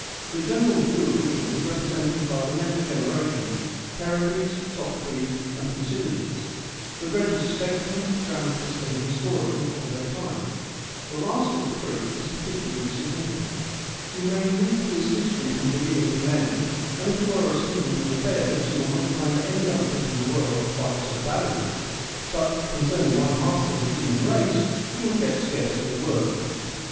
The general view of women is represented by the next generation, Pericles, Sophocles, and Thucydides, the greatest statesman, dramatist, and historian of their time. The last of the three is particularly 78 FEMINISM IN GREEK LITERATURE significant. You may read through his History from beginning to end — and if you are a student of affairs you will not find any other book in the world quite so valuable — but, concerning one half of the human race, you will get scarcely a word.